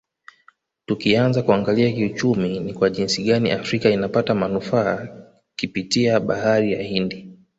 Tukianza kuangalia kiuchumi ni kwa jinsi gani afrika inapata manufaa kipitia bahari ya Hindi